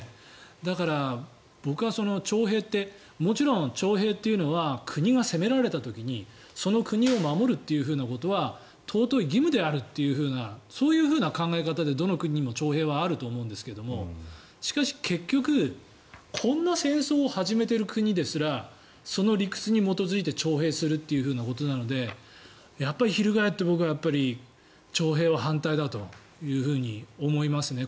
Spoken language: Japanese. だから、僕は徴兵ってもちろん徴兵というのは国が攻められた時にその国を守るということは尊い義務であるというそういう考え方で、どの国にも徴兵はあると思うんですがしかし、結局こんな戦争を始めてる国ですらその理屈に基づいて徴兵するということなのでやっぱり翻って、僕は徴兵は反対だというふうに思いますね。